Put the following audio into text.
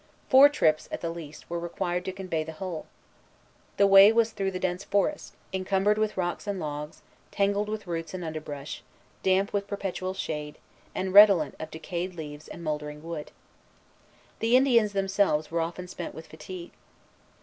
Four trips, at the least, were required to convey the whole. The way was through the dense forest, incumbered with rocks and logs, tangled with roots and underbrush, damp with perpetual shade, and redolent of decayed leaves and mouldering wood. The Indians themselves were often spent with fatigue.